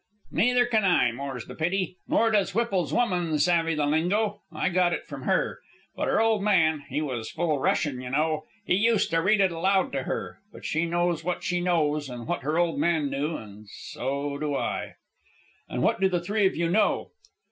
"Neither can I, more's the pity; nor does Whipple's woman savve the lingo. I got it from her. But her old man he was full Russian, you know he used to read it aloud to her. But she knows what she knows and what her old man knew, and so do I." "And what do the three of you know?"